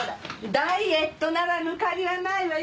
ダイエットなら抜かりはないわよ。